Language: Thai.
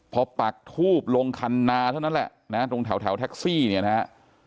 พอปักทูบลงคันนาเท่านั้นแหละนะตรงแถวแท็กซี่เนี่ยนะฮะ